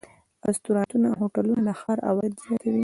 رستورانتونه او هوټلونه د ښار عواید زیاتوي.